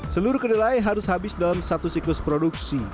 seluruh kedelai harus habis dalam satu siklus produksi